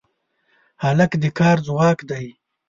هلک د کار ځواک دی.